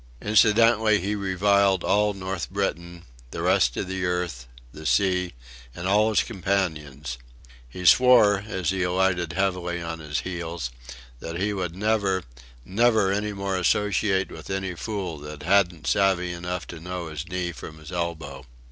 Incidentally he reviled all North Britain, the rest of the earth, the sea and all his companions. He swore, as he alighted heavily on his heels, that he would never, never any more associate with any fool that "hadn't savee enough to know his knee from his elbow."